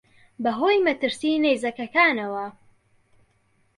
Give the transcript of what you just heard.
بە هۆی مەترسیی نەیزەکەکانەوە